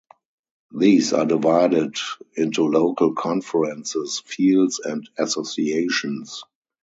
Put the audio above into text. These are divided into Local Conferences, Fields, and Associations.